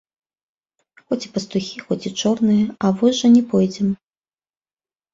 Хоць і пастухі, хоць і чорныя, а вось жа не пойдзем!